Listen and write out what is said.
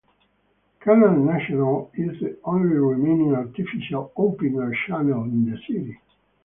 Canal Nacional is the only remaining artificial open air channel in the city.